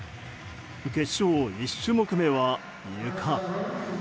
決勝１種目めはゆか。